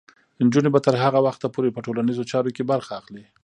نجونې به تر هغه وخته پورې په ټولنیزو چارو کې برخه اخلي.